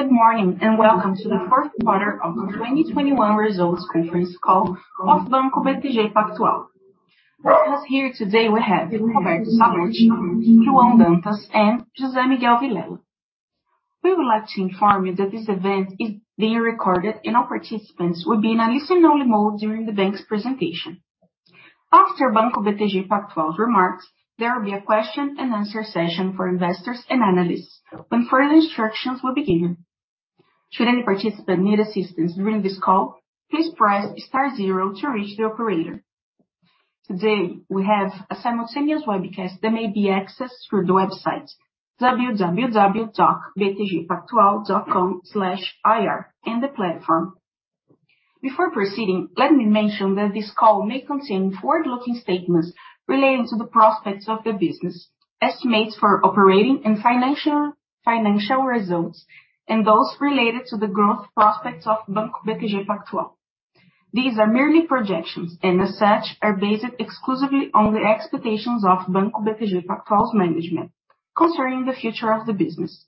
Good morning, and welcome to the Fourth Quarter of 2021 Results Conference Call of Banco BTG Pactual. With us here today we have Roberto Sallouti, João Dantas and José Miguel Vilela. We would like to inform you that this event is being recorded and all participants will be in a listen only mode during the bank's presentation. After Banco BTG Pactual's remarks, there will be a question-and-answer session for investors and analysts when further instructions will be given. Should any participant need assistance during this call, please press star zero to reach the operator. Today we have a simultaneous webcast that may be accessed through the website www.btgpactual.com/ir in the platform. Before proceeding, let me mention that this call may contain forward-looking statements relating to the prospects of the business, estimates for operating and financial results, and those related to the growth prospects of Banco BTG Pactual. These are merely projections and as such are based exclusively on the expectations of Banco BTG Pactual's management concerning the future of the business.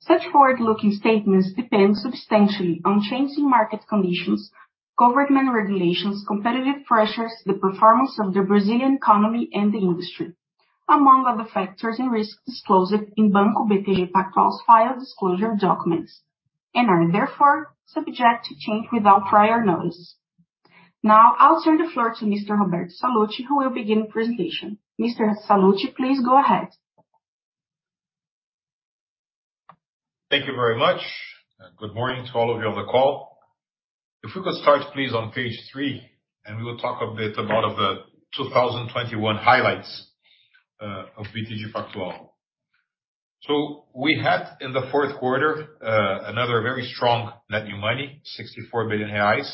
Such forward-looking statements depend substantially on changing market conditions, government regulations, competitive pressures, the performance of the Brazilian economy and the industry, among other factors and risks disclosed in Banco BTG Pactual's filed disclosure documents, and are therefore subject to change without prior notice. Now I'll turn the floor to Mr. Roberto Sallouti, who will begin presentation. Mr. Sallouti, please go ahead. Thank you very much. Good morning to all of you on the call. If we could start please on page three, and we will talk a bit about the 2021 highlights of BTG Pactual. We had in the fourth quarter another very strong net new money, 64 billion reais,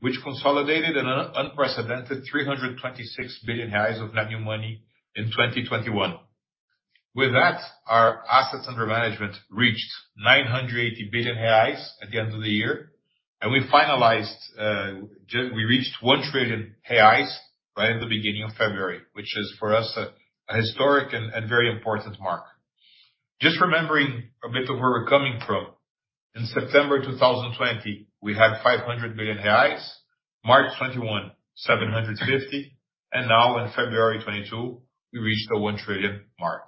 which consolidated an unprecedented 326 billion reais of net new money in 2021. With that, our assets under management reached 980 billion reais at the end of the year. We reached 1 trillion reais right at the beginning of February, which is for us a historic and very important mark. Just remembering a bit of where we're coming from. In September 2020, we had 500 billion reais. March 2021, 750 billion. Now in February 2022, we reached the 1 trillion mark.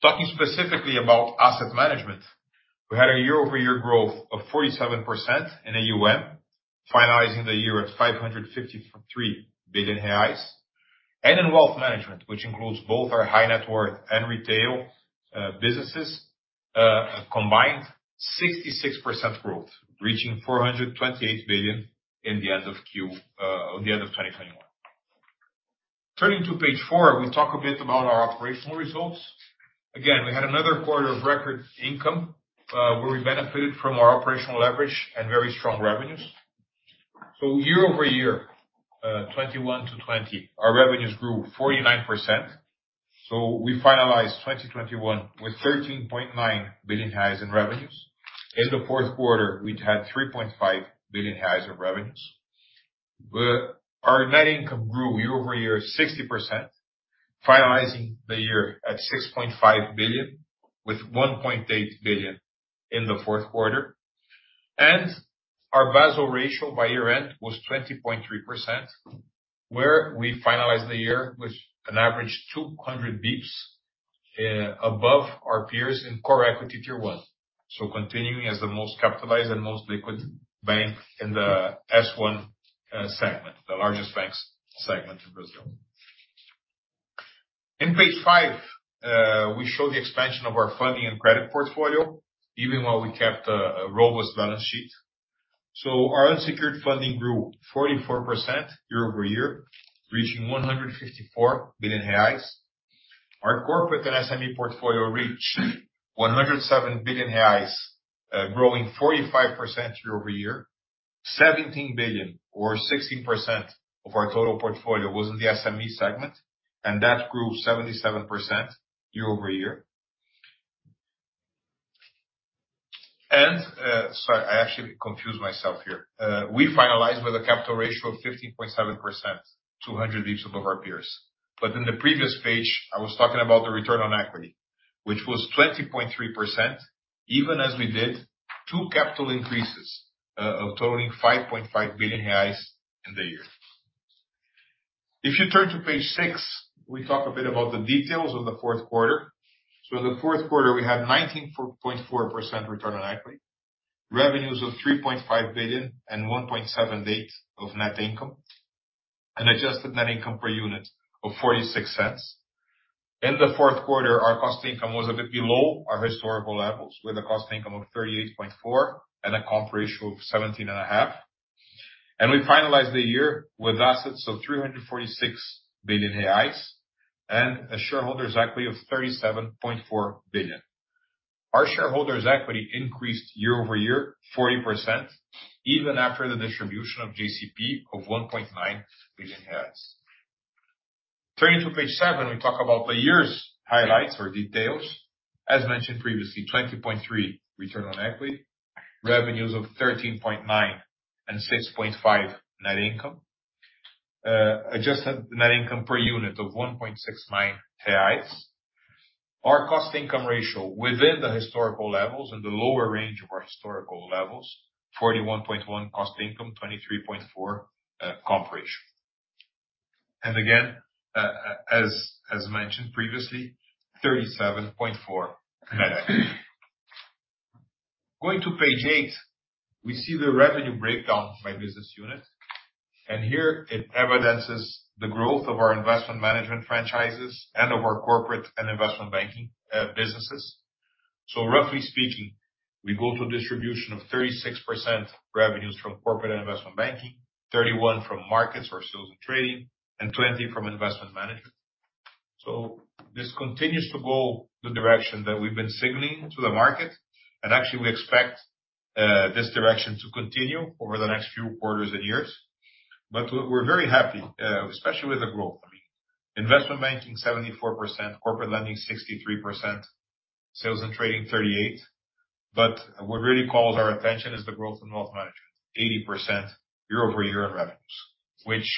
Talking specifically about asset management, we had a year-over-year growth of 47% in AUM, finalizing the year at 553 billion reais. In wealth management, which includes both our high net worth and retail businesses, a combined 66% growth, reaching 428 billion at the end of Q4, the end of 2021. Turning to page four, we talk a bit about our operational results. Again, we had another quarter of record income, where we benefited from our operational leverage and very strong revenues. Year-over-year, 2021-2020, our revenues grew 49%. We finalized 2021 with 13.9 billion in revenues. In the fourth quarter, we had 3.5 billion in revenues. Our net income grew year-over-year 60%, finalizing the year at 6.5 billion, with 1.8 billion in the fourth quarter. Our Basel ratio by year-end was 20.3%. We finalized the year with an average 200 basis points above our peers in Core Equity Tier 1. Continuing as the most capitalized and most liquid bank in the S1 segment, the largest banks segment in Brazil. In page five, we show the expansion of our funding and credit portfolio, even while we kept a robust balance sheet. Our unsecured funding grew 44% year-over-year, reaching 154 billion reais. Our corporate and SME portfolio reached 107 billion reais, growing 45% year-over-year. 17 billion or 16% of our total portfolio was in the SME segment, and that grew 77% year-over-year. Sorry, I actually confused myself here. We finalized with a capital ratio of 15.7%, 200 basis points above our peers. In the previous page, I was talking about the return on equity, which was 20.3%, even as we did two capital increases of totaling 5.5 billion reais in the year. If you turn to page six, we talk a bit about the details of the fourth quarter. In the fourth quarter we had 19.4% return on equity, revenues of 3.5 billion and 1.78 billion of net income, an adjusted net income per unit of 0.46. In the fourth quarter, our cost income was a bit below our historical levels, with a cost income of 38.4% and a comp ratio of 17.5%. We finalized the year with assets of 346 billion reais and shareholders equity of 37.4 billion. Our shareholders equity increased year-over-year 40% even after the distribution of JCP of 1.9 billion. Turning to page seven, we talk about the year's highlights or details. As mentioned previously, 20.3% return on equity. Revenues of 13.9 billion and 6.5 billion net income. Adjusted net income per unit of 1.69 reais. Our cost income ratio within the historical levels and the lower range of our historical levels, 41.1% cost income, 23.4% comp ratio. As mentioned previously, 37.4 net. Going to page eight, we see the revenue breakdown by business unit, and here it evidences the growth of our investment management franchises and of our corporate and investment banking businesses. Roughly speaking, we go to a distribution of 36% revenues from corporate investment banking, 31% from markets or sales and trading, and 20% from investment management. This continues to go the direction that we've been signaling to the market, and actually we expect this direction to continue over the next few quarters and years. We're very happy, especially with the growth. I mean, investment banking 74%, corporate lending 63%, sales and trading 38%. What really calls our attention is the growth in wealth management, 80% year-over-year in revenues, which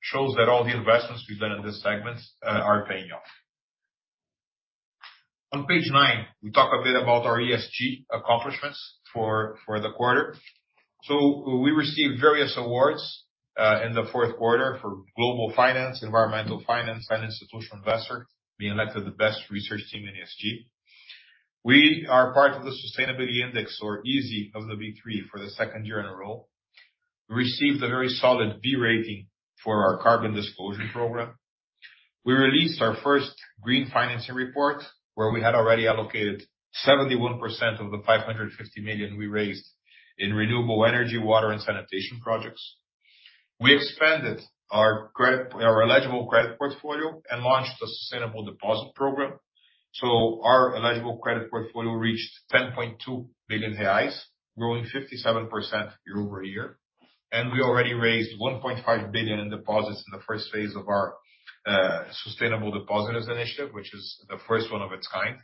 shows that all the investments we've done in this segment are paying off. On page nine, we talk a bit about our ESG accomplishments for the quarter. We received various awards in the fourth quarter for Global Finance, Environmental Finance, and Institutional Investor, being elected the best research team in ESG. We are part of the Sustainability Index, or ISE, of the B3 for the second year in a row. We received a very solid B rating for our carbon disclosure program. We released our first green financing report, where we had already allocated 71% of the 550 million we raised in renewable energy, water, and sanitation projects. We expanded our eligible credit portfolio and launched a sustainable deposit program. Our eligible credit portfolio reached 10.2 billion reais, growing 57% year-over-year. We already raised 1.5 billion in deposits in the phase I of our sustainable depositors initiative, which is the first one of its kind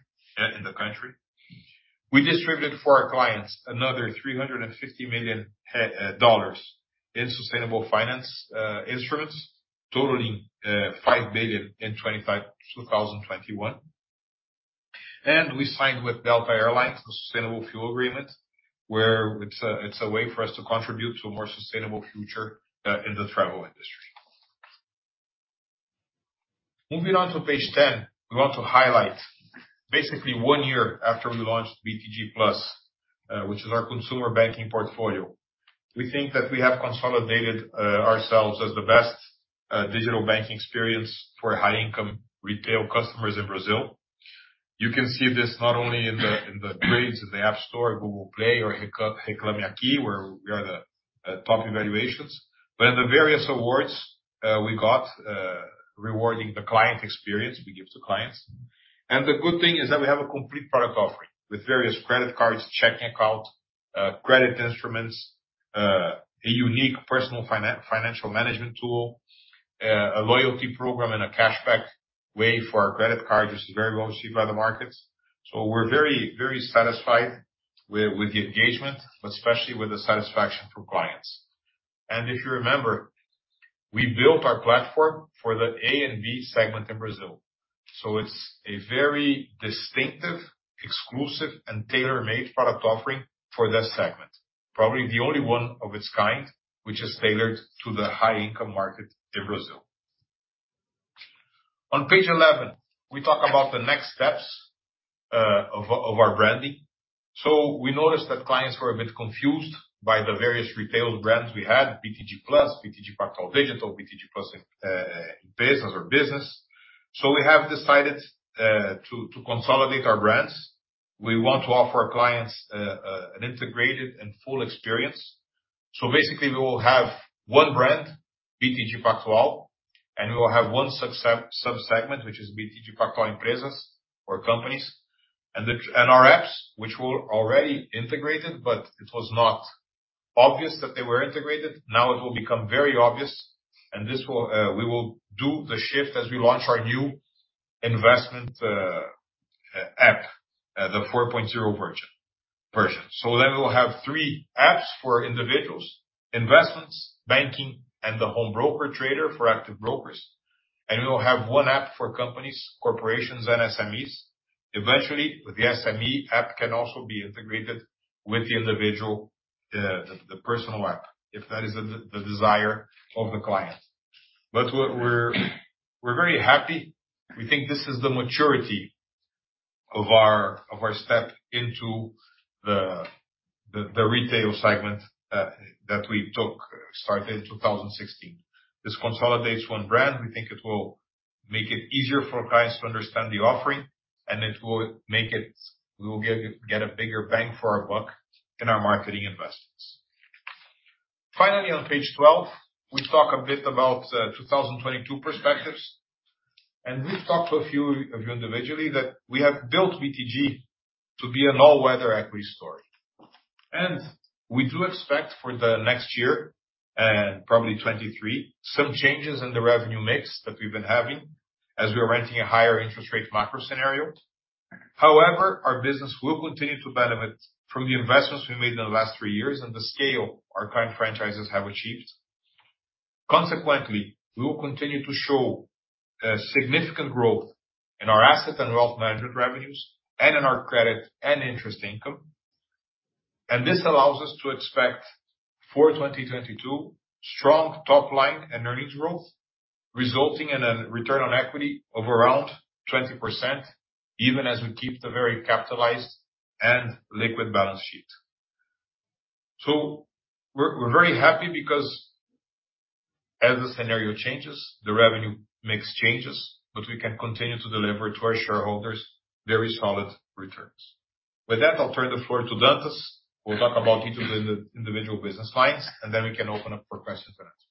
in the country. We distributed for our clients another $350 million in sustainable finance instruments, totaling 5 billion in 2021. We signed with Delta Air Lines a sustainable fuel agreement, where it's a way for us to contribute to a more sustainable future in the travel industry. Moving on to page 10, we want to highlight basically one year after we launched BTG Plus, which is our consumer banking portfolio. We think that we have consolidated ourselves as the best digital banking experience for high income retail customers in Brazil. You can see this not only in the grades in the App Store, Google Play or Reclame Aqui, where we are the top evaluations, but in the various awards we got rewarding the client experience we give to clients. The good thing is that we have a complete product offering with various credit cards, checking accounts, credit instruments, a unique personal financial management tool, a loyalty program, and a cashback way for our credit card, which is very well received by the markets. We're very, very satisfied with the engagement, but especially with the satisfaction from clients. If you remember, we built our platform for the A and B segment in Brazil. It's a very distinctive, exclusive, and tailor-made product offering for that segment. Probably the only one of its kind, which is tailored to the high income market in Brazil. On page 11, we talk about the next steps of our branding. We noticed that clients were a bit confused by the various retail brands we had, BTG Plus, BTG Pactual Digital, BTG Plus, Empresas or Business. We have decided to consolidate our brands. We want to offer clients an integrated and full experience. Basically we will have one brand, BTG Pactual, and we will have one subsegment, which is BTG Pactual Empresas or Companies. And our apps, which were already integrated, but it was not obvious that they were integrated. Now it will become very obvious. This will, we will do the shift as we launch our new investment app, the 4.0 version. We'll have three apps for individuals, investments, banking, and the home broker trader for active brokers. We will have one app for companies, corporations, and SMEs. Eventually, the SME app can also be integrated with the individual, the personal app, if that is the desire of the client. We're very happy. We think this is the maturity of our step into the retail segment that we started in 2016. This consolidates one brand. We think it will make it easier for clients to understand the offering, and we will get a bigger bang for our buck in our marketing investments. Finally, on page 12, we talk a bit about 2022 perspectives. We've talked to a few of you individually that we have built BTG to be an all-weather equity story. We do expect for the next year, probably 2023, some changes in the revenue mix that we've been having, as we are entering a higher interest rate macro scenario. However, our business will continue to benefit from the investments we made in the last three years and the scale our current franchises have achieved. Consequently, we will continue to show significant growth in our asset and wealth management revenues and in our credit and interest income. This allows us to expect for 2022, strong top line and earnings growth, resulting in a return on equity of around 20%, even as we keep the well capitalized and liquid balance sheet. We're very happy because as the scenario changes, the revenue makes changes, but we can continue to deliver to our shareholders very solid returns. With that, I'll turn the floor to Dantas, who will talk about each of the individual business lines, and then we can open up for questions and answers.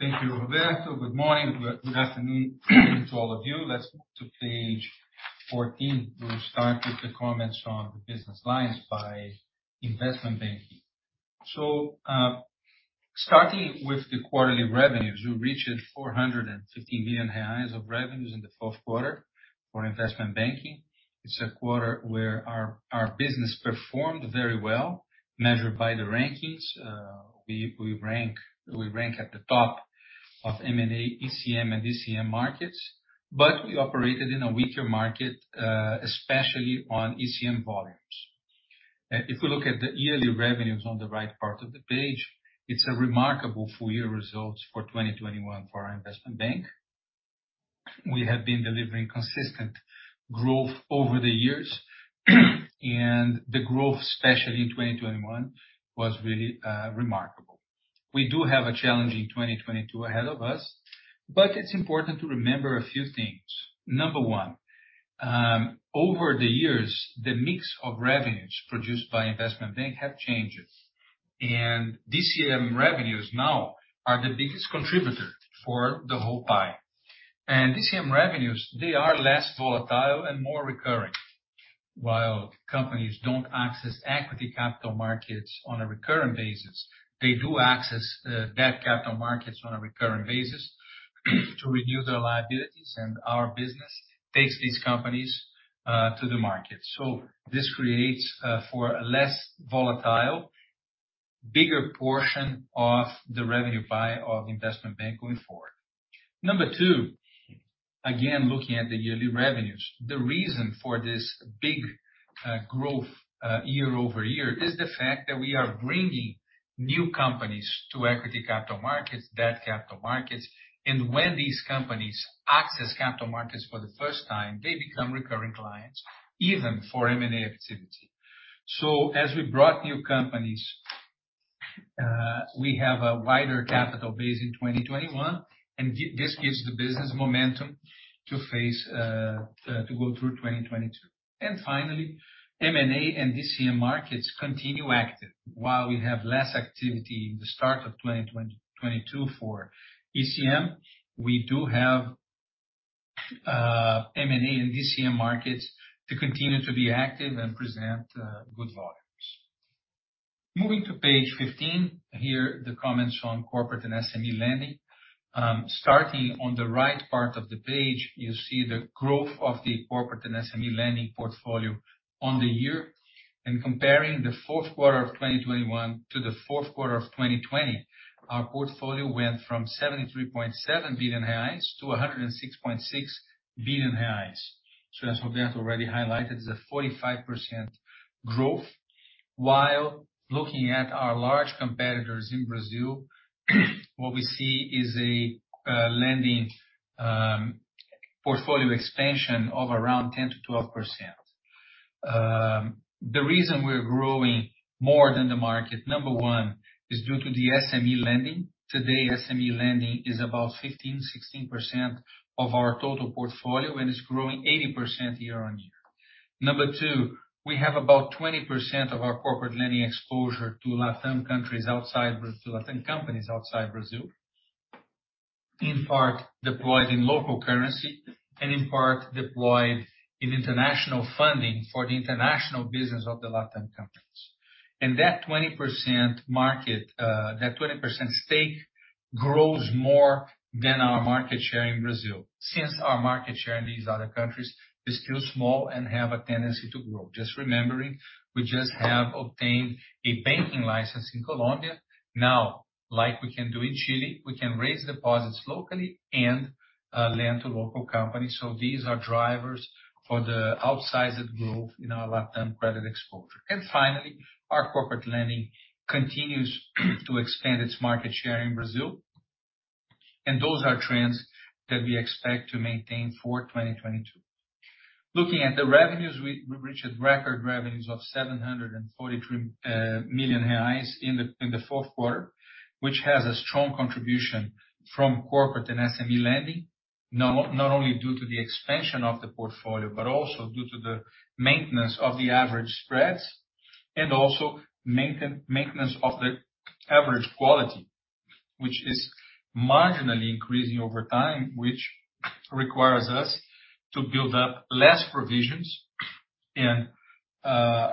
Thank you, Roberto. Good morning. Good afternoon to all of you. Let's move to page 14 to start with the comments on the business lines by investment banking. Starting with the quarterly revenues, we reached 450 million reais of revenues in the fourth quarter for investment banking. It's a quarter where our business performed very well, measured by the rankings. We rank at the top of M&A, ECM and DCM markets. We operated in a weaker market, especially on ECM volumes. If we look at the yearly revenues on the right part of the page, it's a remarkable full year results for 2021 for our investment bank. We have been delivering consistent growth over the years, and the growth, especially in 2021, was really remarkable. We do have a challenging 2022 ahead of us, but it's important to remember a few things. Number one, over the years, the mix of revenues produced by investment bank have changed. DCM revenues now are the biggest contributor for the whole pie. DCM revenues, they are less volatile and more recurring. While companies don't access equity capital markets on a recurring basis, they do access debt capital markets on a recurring basis to reduce their liabilities. Our business takes these companies to the market. This creates for a less volatile, bigger portion of the revenue pie of investment bank going forward. Number two, again, looking at the yearly revenues. The reason for this big growth year over year is the fact that we are bringing new companies to equity capital markets, debt capital markets. When these companies access capital markets for the first time, they become recurring clients, even for M&A activity. As we brought new companies, we have a wider capital base in 2021, and this gives the business momentum to face, to go through 2022. Finally, M&A and DCM markets continue active. While we have less activity in the start of 2022 for ECM, we do have M&A and DCM markets to continue to be active and present good volumes. Moving to page 15. Here, the comments on corporate and SME lending. Starting on the right part of the page, you see the growth of the corporate and SME lending portfolio on the year. Comparing the fourth quarter of 2021 to the fourth quarter of 2020, our portfolio went from 73.7 billion-106.6 billion reais. As Roberto already highlighted, it's a 45% growth. While looking at our large competitors in Brazil, what we see is a lending portfolio expansion of around 10%-12%. The reason we're growing more than the market, number one, is due to the SME lending. Today, SME lending is about 15%-16% of our total portfolio and is growing 80% year on year. Number two, we have about 20% of our corporate lending exposure to LatAm countries outside Brazil, LatAm companies outside Brazil. In part, deployed in local currency and in part deployed in international funding for the international business of the LatAm companies. That 20% market, that 20% stake grows more than our market share in Brazil. Since our market share in these other countries is still small and have a tendency to grow. Just remembering, we just have obtained a banking license in Colombia. Now, like we can do in Chile, we can raise deposits locally and lend to local companies. These are drivers for the outsized growth in our LatAm credit exposure. Finally, our corporate lending continues to expand its market share in Brazil. Those are trends that we expect to maintain for 2022. Looking at the revenues, we reached record revenues of 743 million reais in the fourth quarter. Which has a strong contribution from corporate and SME lending, not only due to the expansion of the portfolio, but also due to the maintenance of the average spreads. Also maintenance of the average quality, which is marginally increasing over time, which requires us to build up less provisions,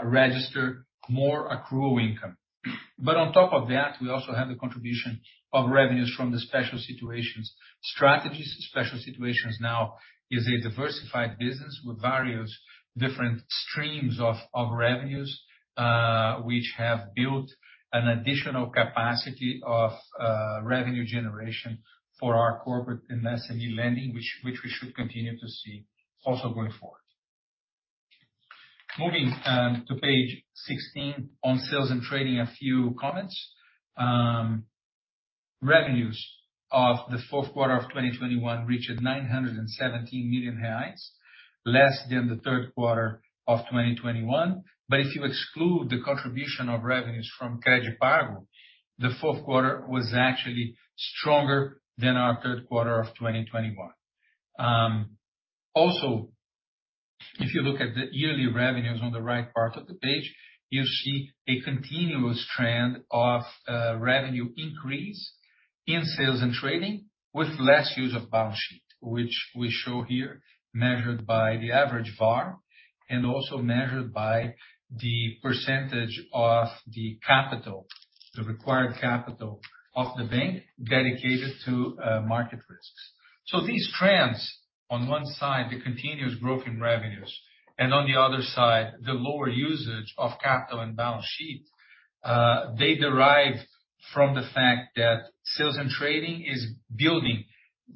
register more accrual income. On top of that, we also have the contribution of revenues from the special situations. Special situations now is a diversified business with various different streams of revenues, which have built an additional capacity of revenue generation for our corporate and SME lending which we should continue to see also going forward. Moving to page 16 on Sales and Trading. A few comments. Revenues of the fourth quarter of 2021 reached 917 million reais, less than the third quarter of 2021. If you exclude the contribution of revenues from CredPago, the fourth quarter was actually stronger than our third quarter of 2021. Also, if you look at the yearly revenues on the right part of the page, you see a continuous trend of revenue increase in Sales and Trading with less use of balance sheet, which we show here, measured by the average VaR and also measured by the percentage of the capital, the required capital of the bank dedicated to market risks. These trends on one side, the continuous growth in revenues, and on the other side, the lower usage of capital and balance sheet, they derive from the fact that Sales and Trading is building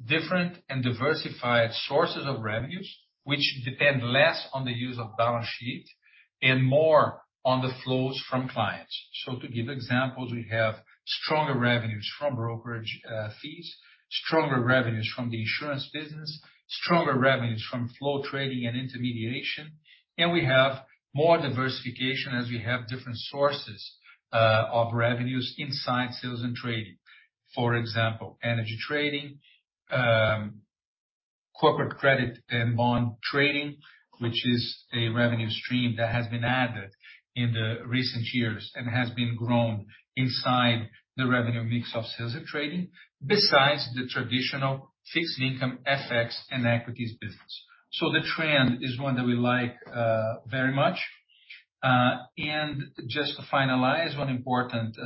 different and diversified sources of revenues, which depend less on the use of balance sheet and more on the flows from clients. To give examples, we have stronger revenues from brokerage, fees, stronger revenues from the insurance business, stronger revenues from flow trading and intermediation. We have more diversification as we have different sources of revenues inside Sales and Trading. For example, energy trading, corporate credit and bond trading, which is a revenue stream that has been added in the recent years and has been grown inside the revenue mix of Sales and Trading. Besides the traditional fixed income FX and equities business. The trend is one that we like very much. Just to finalize, one important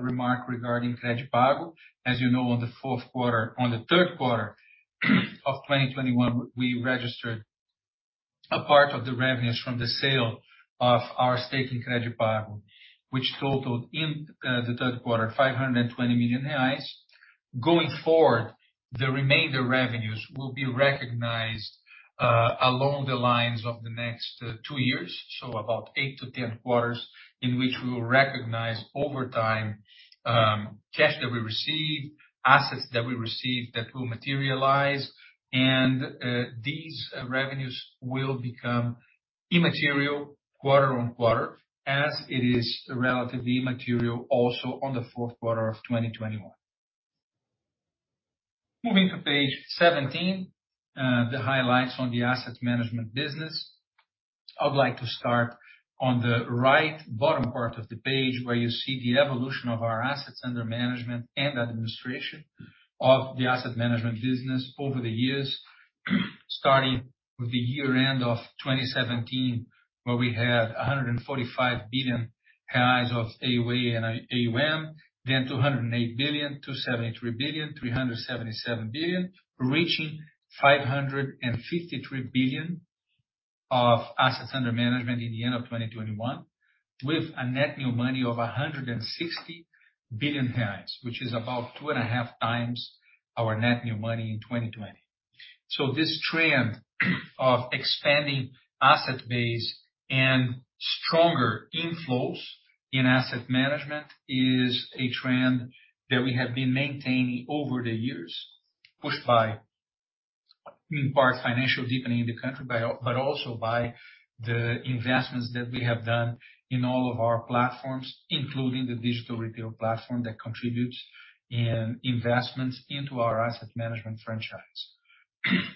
remark regarding CredPago. As you know, on the third quarter of 2021, we registered a part of the revenues from the sale of our stake in CredPago, which totaled in the third quarter 520 million reais. Going forward, the remainder revenues will be recognized along the lines of the next two years. About eight to 10 quarters in which we will recognize over time cash that we receive, assets that we receive that will materialize. These revenues will become immaterial quarter on quarter, as it is relatively immaterial also on the fourth quarter of 2021. Moving to page 17, the highlights on the asset management business. I'd like to start on the right bottom part of the page where you see the evolution of our assets under management and administration of the asset management business over the years, starting with the year-end of 2017, where we had 145 billion reais of AUA and AUM, then 208 billion, 273 billion, 377 billion, reaching 553 billion of assets under management in the end of 2021, with a net new money of 160 billion reais, which is about 2.5 times our net new money in 2020. This trend of expanding asset base and stronger inflows in asset management is a trend that we have been maintaining over the years, pushed by in part financial deepening in the country but also by the investments that we have done in all of our platforms, including the digital retail platform that contributes in investments into our asset management franchise.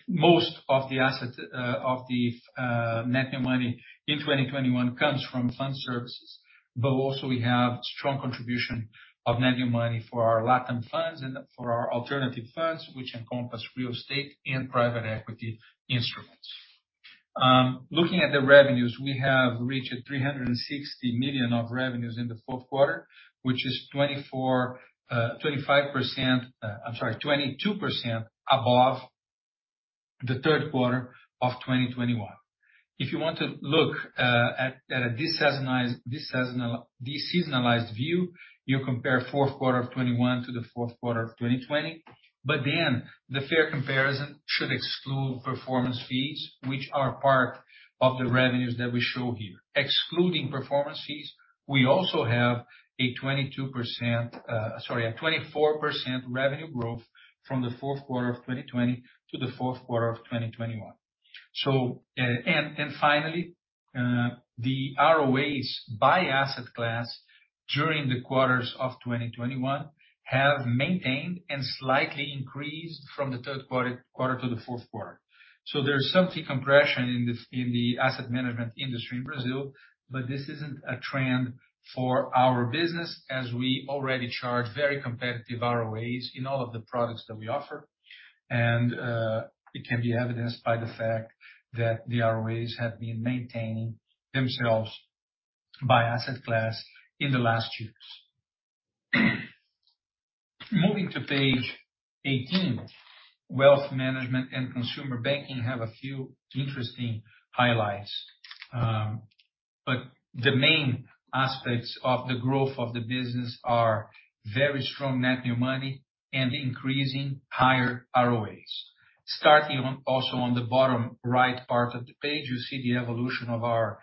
Most of the net new money in 2021 comes from fund services. We have strong contribution of net new money for our LatAm funds and for our alternative funds, which encompass real estate and private equity instruments. Looking at the revenues, we have reached 360 million of revenues in the fourth quarter, which is 22% above the third quarter of 2021. If you want to look at a deseasonalized view, you compare fourth quarter of 2021 to the fourth quarter of 2020. The fair comparison should exclude performance fees, which are part of the revenues that we show here. Excluding performance fees, we also have a 24% revenue growth from the fourth quarter of 2020 to the fourth quarter of 2021. The ROAs by asset class during the quarters of 2021 have maintained and slightly increased from the third quarter to the fourth quarter. There's some decompression in the asset management industry in Brazil, but this isn't a trend for our business as we already charge very competitive ROAs in all of the products that we offer. It can be evidenced by the fact that the ROAs have been maintaining themselves by asset class in the last years. Moving to page 18, wealth management and consumer banking have a few interesting highlights. The main aspects of the growth of the business are very strong net new money and increasing higher ROAs. Also on the bottom right part of the page, you see the evolution of our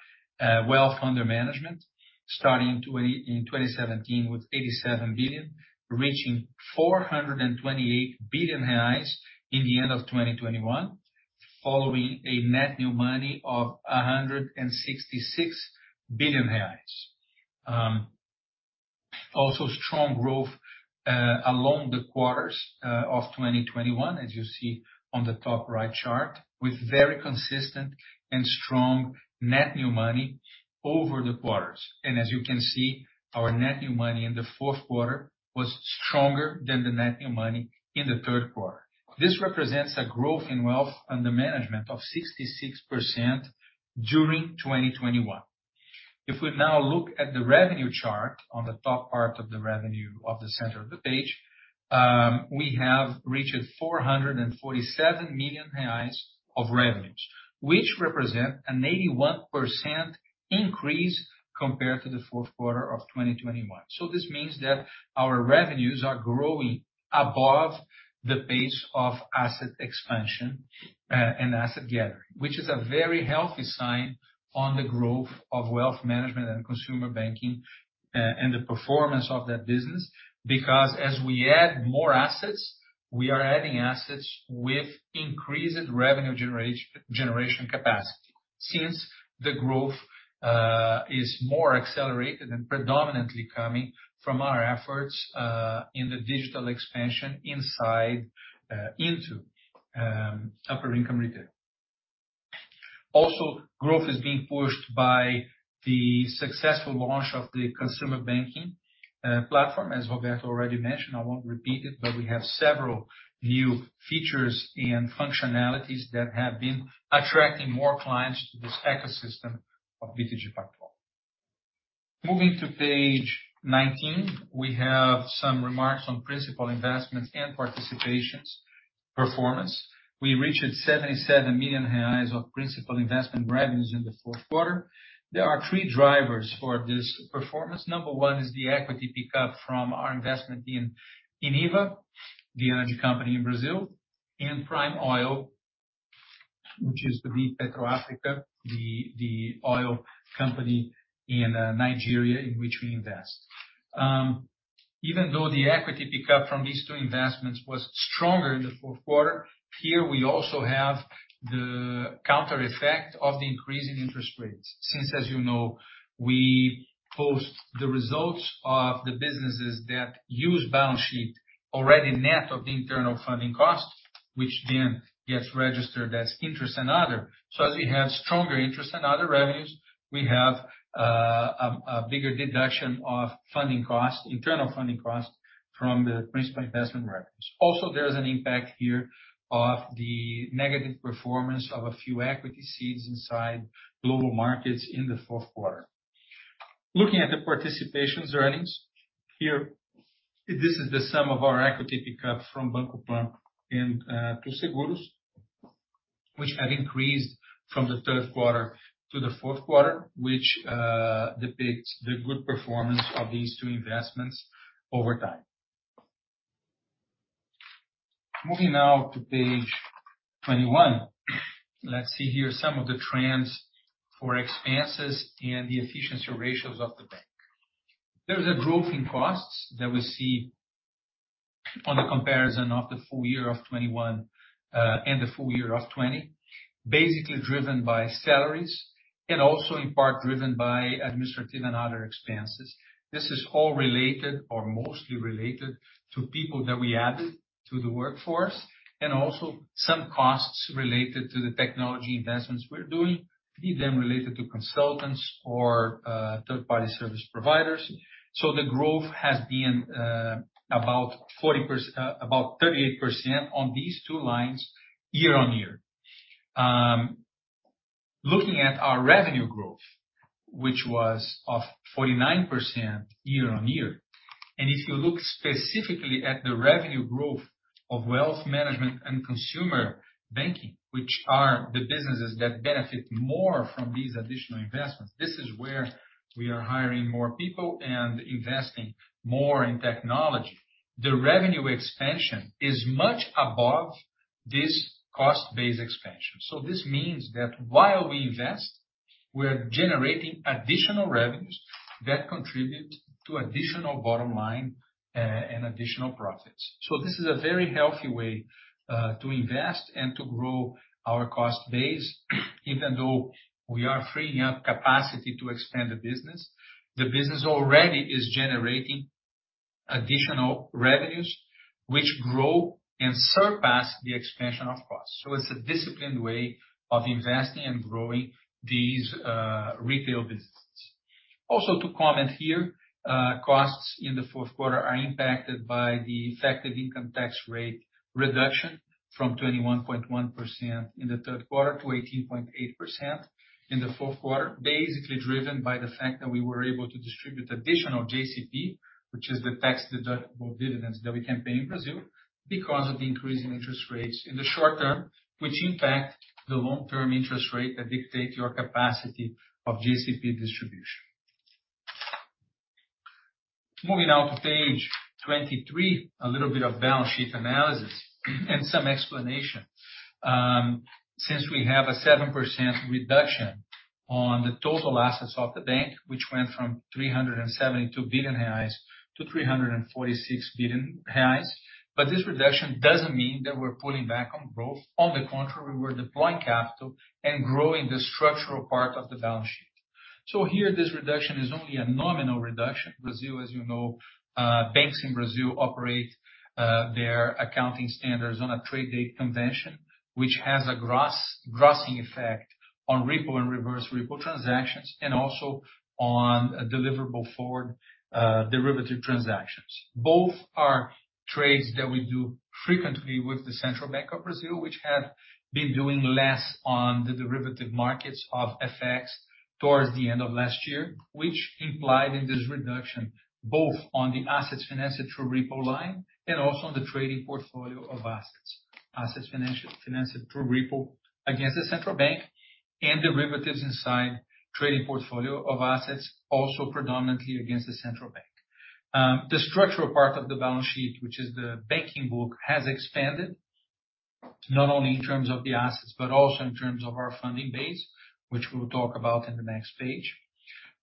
wealth under management. Starting in 2017 with 87 billion, reaching 428 billion reais in the end of 2021, following a net new money of 166 billion reais. Also strong growth along the quarters of 2021, as you see on the top right chart, with very consistent and strong net new money over the quarters. As you can see, our net new money in the fourth quarter was stronger than the net new money in the third quarter. This represents a growth in wealth under management of 66% during 2021. If we now look at the revenue chart on the top part of the revenue of the center of the page, we have reached 447 million reais of revenues, which represent an 81% increase compared to the fourth quarter of 2021. This means that our revenues are growing above the pace of asset expansion, and asset gathering, which is a very healthy sign on the growth of wealth management and consumer banking, and the performance of that business. Because as we add more assets, we are adding assets with increased revenue generation capacity. Since the growth is more accelerated and predominantly coming from our efforts in the digital expansion into upper income retail. Growth is being pushed by the successful launch of the consumer banking platform. As Roberto already mentioned, I won't repeat it, but we have several new features and functionalities that have been attracting more clients to this ecosystem of BTG Pactual. Moving to page 19, we have some remarks on principal investments and participations performance. We reached 77 million reais of principal investment revenues in the fourth quarter. There are three drivers for this performance. Number one is the equity pickup from our investment in Eneva, the energy company in Brazil, and Prime Oil, which is the Petrobras Africa, the oil company in Nigeria in which we invest. Even though the equity pickup from these two investments was stronger in the fourth quarter, here we also have the counter effect of the increase in interest rates. Since, as you know, we post the results of the businesses that use balance sheet already net of the internal funding cost, which then gets registered as interest and other. As we have stronger interest and other revenues, we have a bigger deduction of funding costs, internal funding costs from the principal investment revenues. Also, there's an impact here of the negative performance of a few equity seeds inside global markets in the fourth quarter. Looking at the participations earnings, here, this is the sum of our equity pickup from Banco Pan and Too Seguros, which have increased from the third quarter to the fourth quarter, which depicts the good performance of these two investments over time. Moving now to page 21. Let's see here some of the trends for expenses and the efficiency ratios of the bank. There is a growth in costs that we see on the comparison of the full year of 2021 and the full year of 2020. Basically, driven by salaries and also in part driven by administrative and other expenses. This is all related or mostly related to people that we added to the workforce, and also some costs related to the technology investments we're doing, be them related to consultants or third-party service providers. The growth has been about 40%. About 38% on these two lines year-on-year. Looking at our revenue growth, which was 49% year-on-year, and if you look specifically at the revenue growth of wealth management and consumer banking, which are the businesses that benefit more from these additional investments, this is where we are hiring more people and investing more in technology. The revenue expansion is much above this cost base expansion. This means that while we invest, we're generating additional revenues that contribute to additional bottom line and additional profits. This is a very healthy way to invest and to grow our cost base. Even though we are freeing up capacity to expand the business, the business already is generating additional revenues which grow and surpass the expansion of costs. It's a disciplined way of investing and growing these retail businesses. To comment here, costs in the fourth quarter are impacted by the effective income tax rate reduction. From 21.1% in the third quarter to 18.8% in the fourth quarter. Basically driven by the fact that we were able to distribute additional JCP, which is the tax-deductible dividends that we can pay in Brazil because of the increase in interest rates in the short term, which impact the long-term interest rate that dictate your capacity of JCP distribution. Moving now to page 23, a little bit of balance sheet analysis and some explanation. Since we have a 7% reduction on the total assets of the bank, which went from 372 billion reais to 346 billion reais. This reduction doesn't mean that we're pulling back on growth. On the contrary, we're deploying capital and growing the structural part of the balance sheet. Here, this reduction is only a nominal reduction. Brazil, as you know, banks in Brazil operate their accounting standards on a trade date convention, which has a grossing effect on repo and reverse repo transactions and also on deliverable forward derivative transactions. Both are trades that we do frequently with the Central Bank of Brazil, which have been doing less on the derivative markets of FX towards the end of last year, which implied in this reduction, both on the assets financed through repo line and also on the trading portfolio of assets. Assets financed through repo against the central bank and derivatives inside trading portfolio of assets, also predominantly against the central bank. The structural part of the balance sheet, which is the banking book, has expanded not only in terms of the assets, but also in terms of our funding base, which we'll talk about in the next page.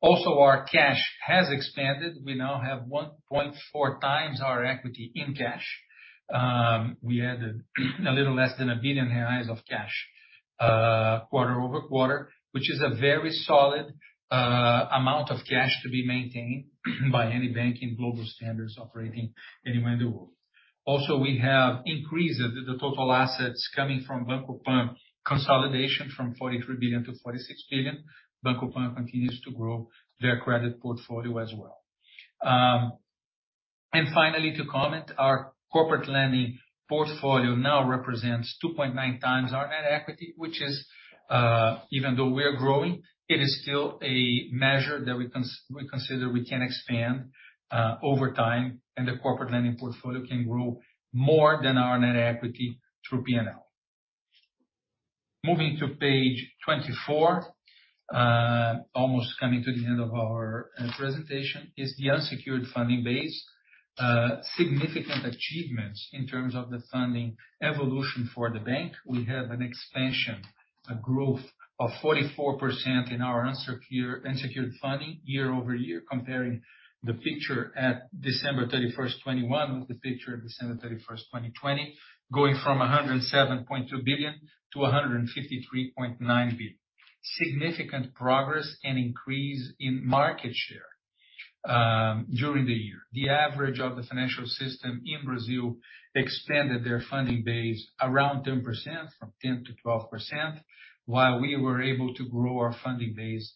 Also, our cash has expanded. We now have 1.4 times our equity in cash. We had a little less than 1 billion reais of cash quarter-over-quarter, which is a very solid amount of cash to be maintained by any bank by global standards operating anywhere in the world. Also, we have increased the total assets coming from Banco Pan consolidation from 43 billion-46 billion. Banco Pan continues to grow their credit portfolio as well. Finally, to comment, our corporate lending portfolio now represents 2.9 times our net equity, which is, even though we are growing, it is still a measure that we consider we can expand over time, and the corporate lending portfolio can grow more than our net equity through P&L. Moving to page 24. Almost coming to the end of our presentation is the unsecured funding base. Significant achievements in terms of the funding evolution for the bank. We have an expansion, a growth of 44% in our unsecured funding year-over-year, comparing the picture at December 31st, 2021 with the picture at December 31st, 2020, going from 107.2 billion- 153.9 billion. Significant progress and increase in market share during the year. The average of the financial system in Brazil expanded their funding base around 10%, 10%-12%, while we were able to grow our funding base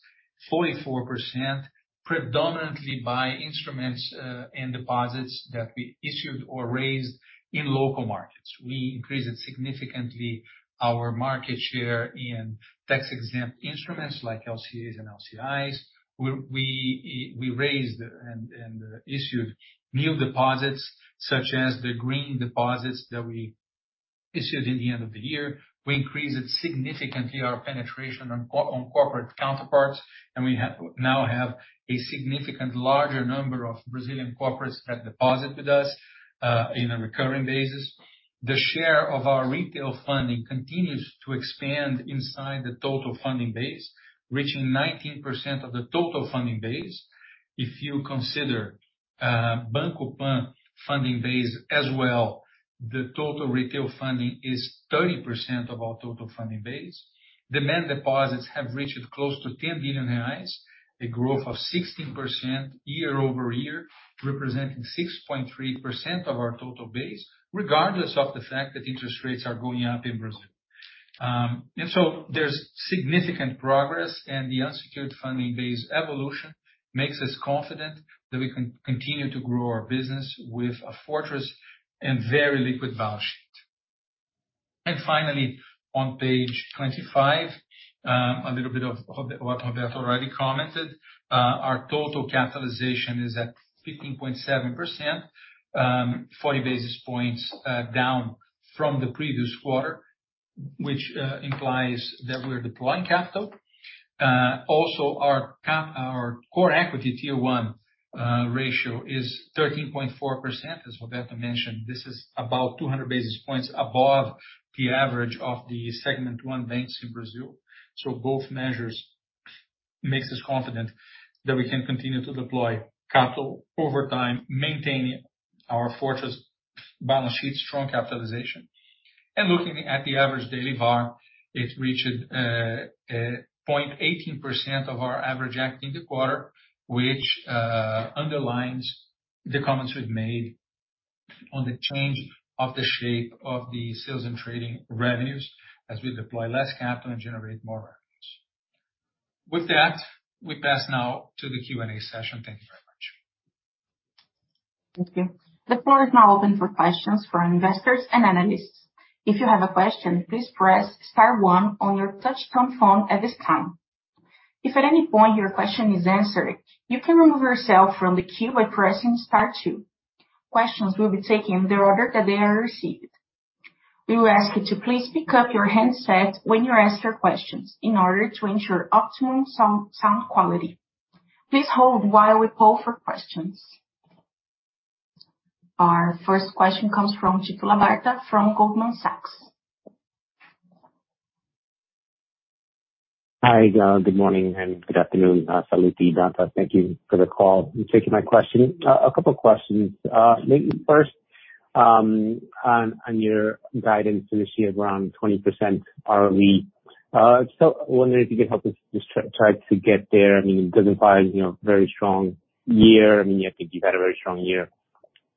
44%, predominantly by instruments and deposits that we issued or raised in local markets. We increased significantly our market share in tax-exempt instruments like LCAs and LCIs. We raised and issued new deposits, such as the green deposits that we issued in the end of the year. We increased significantly our penetration on corporate counterparts, and we now have a significant larger number of Brazilian corporates that deposit with us in a recurring basis. The share of our retail funding continues to expand inside the total funding base, reaching 19% of the total funding base. If you consider Banco Pan funding base as well, the total retail funding is 30% of our total funding base. Demand deposits have reached close to 10 billion reais, a growth of 16% year-over-year, representing 6.3% of our total base, regardless of the fact that interest rates are going up in Brazil. There's significant progress, and the unsecured funding base evolution makes us confident that we can continue to grow our business with a fortress and very liquid balance sheet. Finally, on page 25, a little bit of what Roberto already commented. Our total capitalization is at 15.7%, 40 basis points down from the previous quarter, which implies that we're deploying capital. Our Core Equity Tier 1 ratio is 13.4%, as Roberto mentioned. This is about 200 basis points above the average of the segment one banks in Brazil. Both measures makes us confident that we can continue to deploy capital over time, maintain our fortress balance sheet, strong capitalization. Looking at the average daily VaR, it reached 0.18% of our average AUM in the quarter, which underlines the comments we've made on the change of the shape of the Sales and Trading revenues as we deploy less capital and generate more revenues. With that, we pass now to the Q&A session. Thank you very much. Thank you. The floor is now open for questions from investors and analysts. If you have a question, please press star one on your touchtone phone at this time. If at any point your question is answered, you can remove yourself from the queue by pressing star two. Questions will be taken in the order that they are received. We will ask you to please pick up your handset when you ask your questions in order to ensure optimum sound quality. Please hold while we poll for questions. Our first question comes from Tito Labarta from Goldman Sachs. Hi, good morning and good afternoon, Roberto Sallouti, João Dantas. Thank you for the call and taking my question. A couple questions. My first, on your guidance this year around 20% ROE. So wondering if you could help us just try to get there. I mean, it doesn't require, you know, very strong year. I mean, you have to do better, very strong year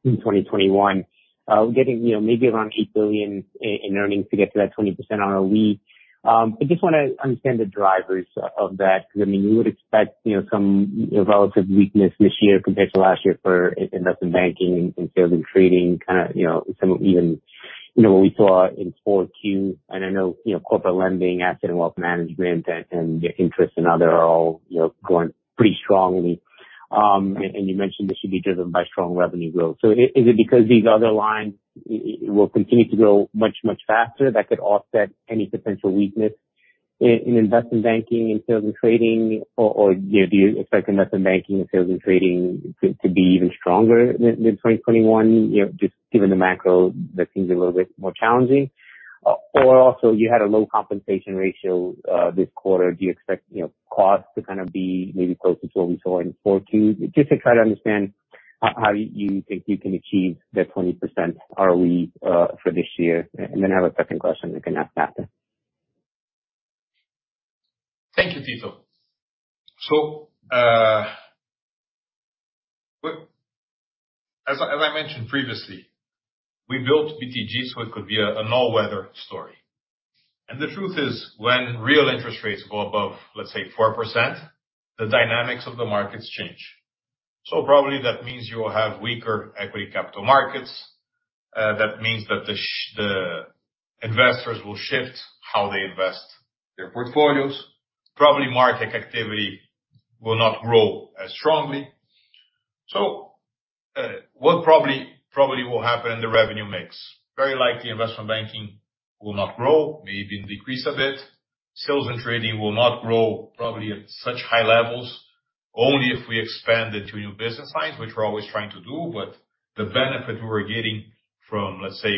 in 2021. We're getting, you know, maybe around 8 billion in earnings to get to that 20% ROE. I just wanna understand the drivers of that because, I mean, you would expect, you know, some relative weakness this year compared to last year for investment banking and Sales and Trading, kinda, you know, some even, you know, what we saw in 4Q. I know, you know, corporate lending, asset and wealth management and interest and other are all, you know, growing pretty strongly. You mentioned this should be driven by strong revenue growth. Is it because these other lines will continue to grow much faster that could offset any potential weakness in investment banking and sales and trading? You know, do you expect investment banking and sales and trading to be even stronger than 2021? You know, just given the macro, that seems a little bit more challenging. You had a low compensation ratio this quarter. Do you expect, you know, costs to kind of be maybe closer to what we saw in Q4? Just to try to understand how you think you can achieve the 20% ROE for this year. I have a second question you can ask after. Thank you, Tito. As I mentioned previously, we built BTG so it could be an all-weather story. The truth is, when real interest rates go above, let's say 4%, the dynamics of the markets change. Probably that means you will have weaker equity capital markets. That means that the investors will shift how they invest their portfolios. Probably market activity will not grow as strongly. What probably will happen in the revenue mix. Very likely investment banking will not grow, maybe decrease a bit. Sales and Trading will not grow probably at such high levels, only if we expand into new business lines, which we're always trying to do. The benefit we're getting from, let's say,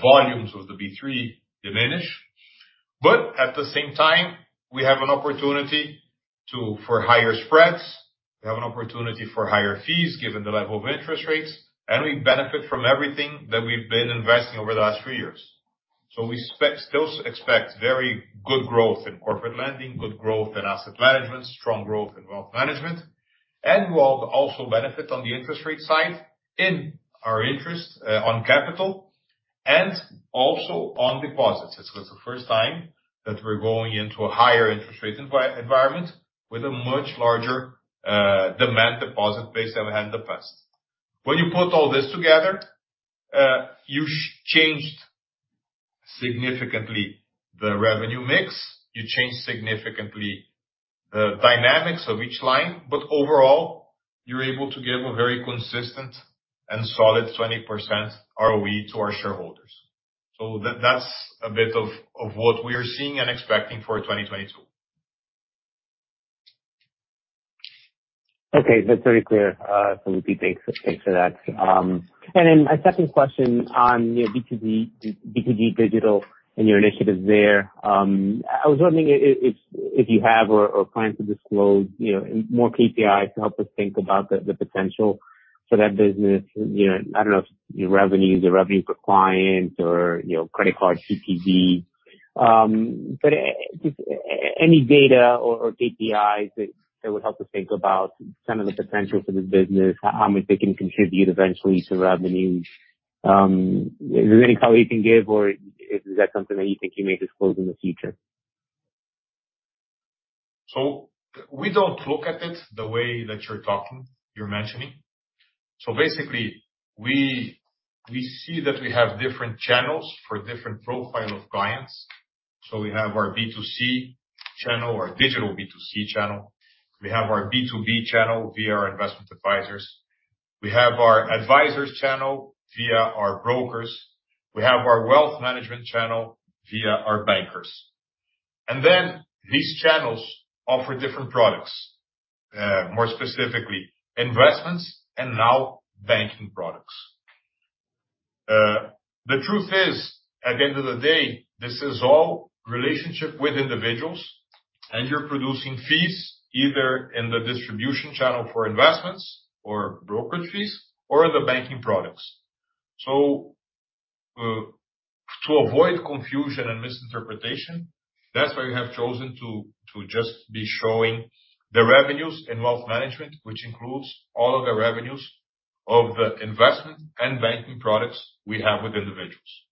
volumes of the B3 diminish. At the same time, we have an opportunity for higher spreads. We have an opportunity for higher fees given the level of interest rates, and we benefit from everything that we've been investing over the last three years. We still expect very good growth in corporate lending, good growth in asset management, strong growth in wealth management. We will also benefit on the interest rate side in our interest on capital and also on deposits. It's the first time that we're going into a higher interest rate environment with a much larger demand deposit base than we had in the past. When you put all this together, you changed significantly the revenue mix, you changed significantly the dynamics of each line, but overall, you're able to give a very consistent and solid 20% ROE to our shareholders. That's a bit of what we are seeing and expecting for 2022. Okay, that's very clear, Roberto Sallouti. Thanks for that. My second question on B2B digital and your initiatives there. I was wondering if you have or plan to disclose more KPIs to help us think about the potential for that business. I don't know if your revenues or revenue per client or credit card CPQ. But any data or KPIs that would help us think about some of the potential for this business, how much they can contribute eventually to revenues. Is there any color you can give or is that something that you think you may disclose in the future? We don't look at it the way that you're talking, you're mentioning. Basically, we see that we have different channels for different profile of clients. We have our B2C channel or digital B2C channel. We have our B2B channel via our investment advisors. We have our advisors channel via our brokers. We have our wealth management channel via our bankers. These channels offer different products, more specifically investments and now banking products. The truth is, at the end of the day, this is all relationship with individuals, and you're producing fees either in the distribution channel for investments or brokerage fees or in the banking products. To avoid confusion and misinterpretation, that's why we have chosen to just be showing the revenues in wealth management, which includes all of the revenues of the investment and banking products we have with individuals.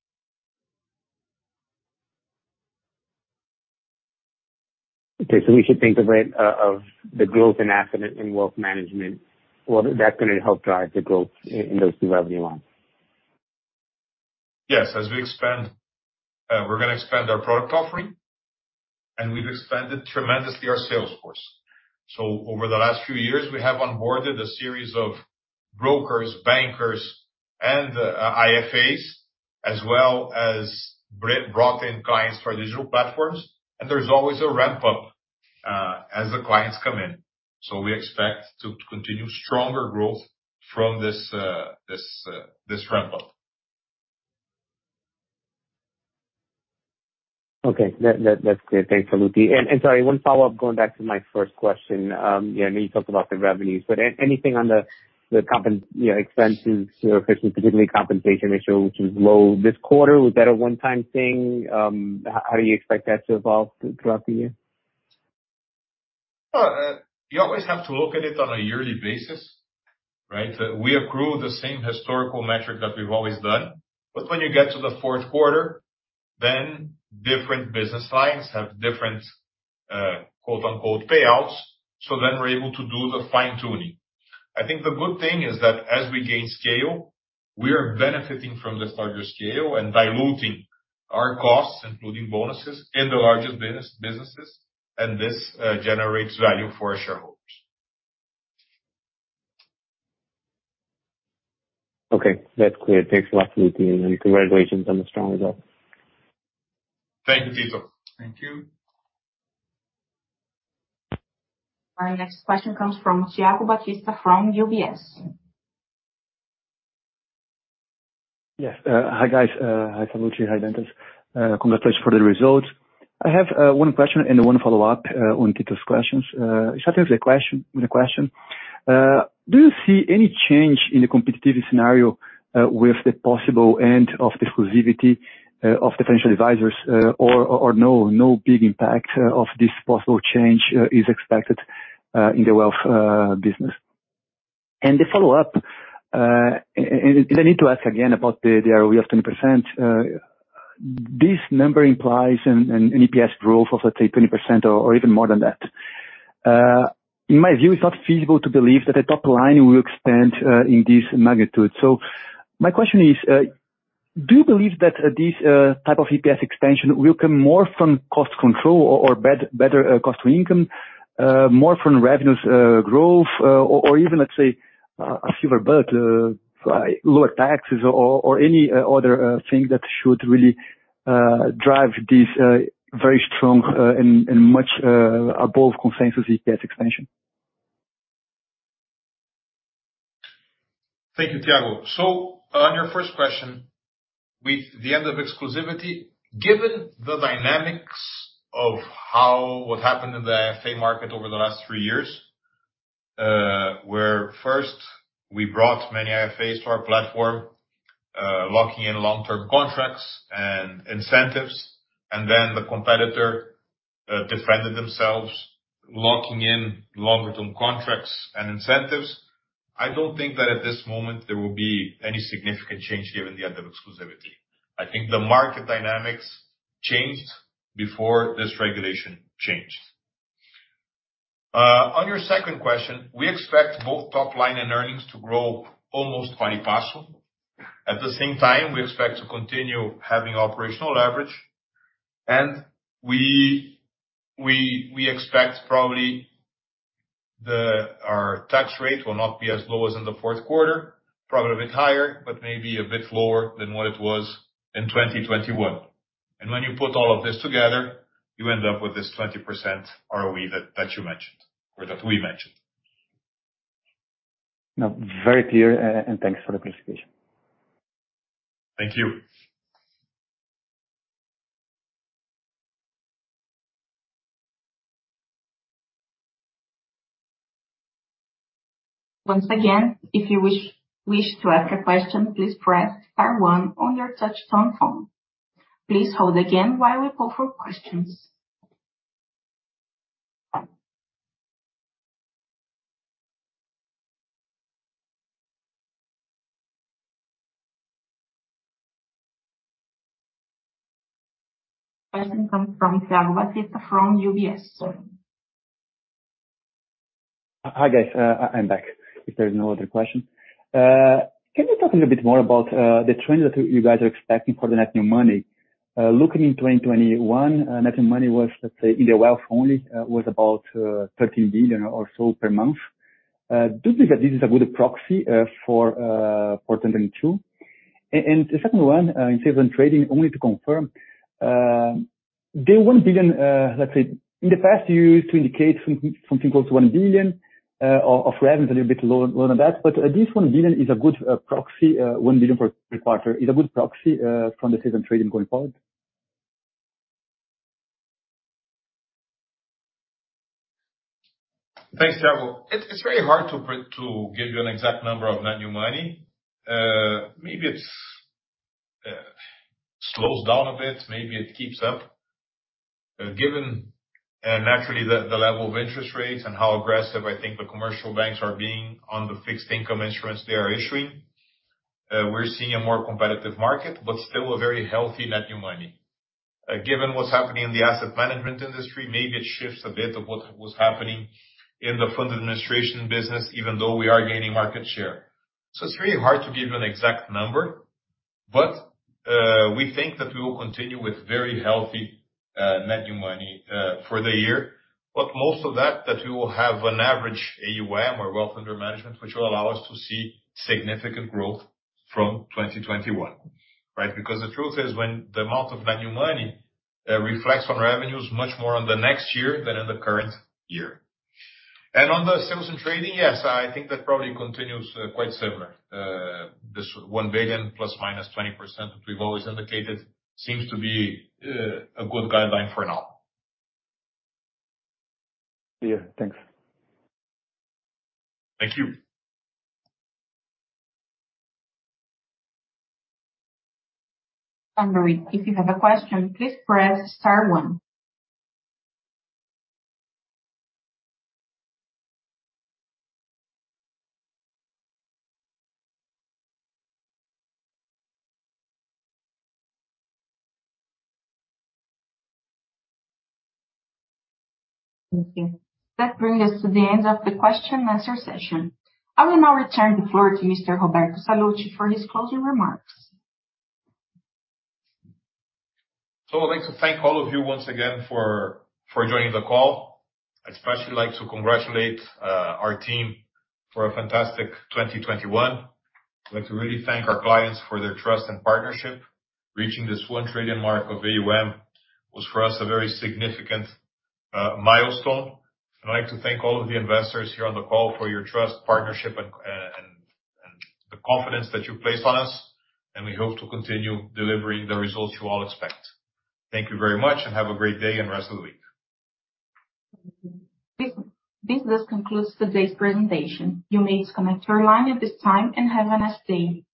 Okay. We should think of it, of the growth in asset and wealth management, whether that's gonna help drive the growth in those two revenue lines. Yes. As we expand, we're gonna expand our product offering, and we've expanded tremendously our sales force. Over the last few years, we have onboarded a series of brokers, bankers, and IFAs, as well as brought in clients for digital platforms. There's always a ramp up as the clients come in. We expect to continue stronger growth from this ramp up. Okay. That's clear. Thanks, Sallouti. Sorry, one follow-up going back to my first question. Yeah, I know you talked about the revenues, but anything on the compensation expenses, you know, especially particularly compensation ratio, which was low this quarter. Was that a one-time thing? How do you expect that to evolve throughout the year? Well, you always have to look at it on a yearly basis, right? We accrue the same historical metric that we've always done. When you get to the fourth quarter, then different business lines have different, quote-unquote, payouts. We're able to do the fine-tuning. I think the good thing is that as we gain scale, we are benefiting from this larger scale and diluting our costs, including bonuses in the larger businesses. This generates value for our shareholders. Okay. That's clear. Thanks a lot, Sallouti. Congratulations on the strong results. Thank you, Tito. Thank you. Our next question comes from Thiago Batista from UBS. Yes. Hi, guys. Hi, Sallouti. Hi, Dantas. Congratulations for the results. I have one question and one follow-up on Tito's questions. Starting with the question. Do you see any change in the competitive scenario with the possible end of the exclusivity of the financial advisors or no big impact of this possible change is expected in the wealth business? The follow-up, and I need to ask again about the ROE of 20%. This number implies an EPS growth of, let's say, 20% or even more than that. In my view, it's not feasible to believe that the top line will expand in this magnitude. My question is, do you believe that this type of EPS expansion will come more from cost control or better cost to income, more from revenues growth, or even, let's say, a silver bullet, lower taxes or any other thing that should really drive this very strong and much above consensus EPS expansion? Thank you, Thiago. On your first question, with the end of exclusivity, given the dynamics of how what happened in the IFA market over the last three years, where first we brought many IFAs to our platform, locking in long-term contracts and incentives, and then the competitor defended themselves, locking in longer-term contracts and incentives. I don't think that at this moment there will be any significant change given the end of exclusivity. I think the market dynamics changed before this regulation changed. On your second question, we expect both top line and earnings to grow almost 20%+. At the same time, we expect to continue having operational leverage. We expect probably our tax rate will not be as low as in the fourth quarter, probably a bit higher, but maybe a bit lower than what it was in 2021. When you put all of this together, you end up with this 20% ROE that you mentioned or that we mentioned. No, very clear. Thanks for the clarification. Thank you. The question comes from Thiago Batista from UBS. Hi, guys. I'm back if there's no other question. Can you talk a little bit more about the trends that you guys are expecting for the net new money? Looking in 2021, net new money was, let's say, in the wealth only, about 13 billion or so per month. Do you think that this is a good proxy for 2022? And the second one, in Sales and Trading, only to confirm, the 1 billion, let's say, in the past you used to indicate something close to 1 billion of revenue is a little bit lower than that. But this 1 billion is a good proxy, 1 billion per quarter is a good proxy from the Sales and Trading going forward. Thanks, Thiago. It's very hard to give you an exact number of net new money. Maybe it slows down a bit, maybe it keeps up. Given naturally the level of interest rates and how aggressive I think the commercial banks are being on the fixed income instruments they are issuing. We're seeing a more competitive market, but still a very healthy net new money. Given what's happening in the asset management industry, maybe it shifts a bit of what was happening in the fund administration business, even though we are gaining market share. It's really hard to give you an exact number. We think that we will continue with very healthy net new money for the year. Most of that we will have an average AUM or wealth under management, which will allow us to see significant growth from 2021, right? Because the truth is, when the amount of net new money reflects on revenues much more on the next year than in the current year. On the Sales and Trading, yes, I think that probably continues quite similar. This 1 billion ±20%, which we've always indicated, seems to be a good guideline for now. Yeah. Thanks. Thank you. That brings us to the end of the question and answer session. I will now return the floor to Mr. Roberto Sallouti for his closing remarks. I'd like to thank all of you once again for joining the call. I'd especially like to congratulate our team for a fantastic 2021. I'd like to really thank our clients for their trust and partnership. Reaching this 1 trillion mark of AUM was, for us, a very significant milestone. I'd like to thank all of the investors here on the call for your trust, partnership, and the confidence that you place on us. We hope to continue delivering the results you all expect. Thank you very much and have a great day and rest of the week. This does conclude today's presentation. You may disconnect your line at this time and have a nice day.